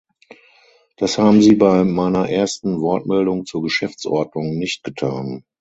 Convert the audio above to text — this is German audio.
Das haben Sie bei meiner ersten Wortmeldung zur Geschäftsordnung nicht getan.